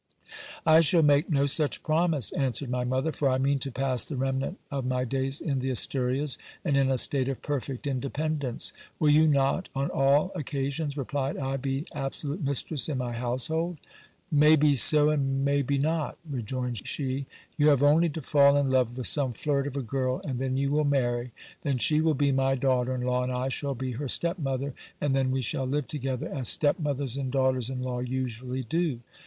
I shall make no such promise, answered my mother, for I mean to pass the remnant of my days in the Asturias, and in a state of perfect independence. Will you not on all occasions, replied I, be absolute mistress in my household ? May be so, and may be not ! rejoined she : you have only to fall in love with some flirt of a girl, and then you will marry : then she will be my daughter in law, and I shall be her stepmother ; and then we shall live together as step mothers and daughters in law usually do.